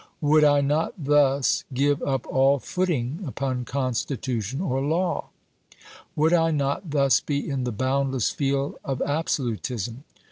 Would I not thus give up all footing upon Constitution or law ? Would I not thus be in the boundless field of absolu tism ?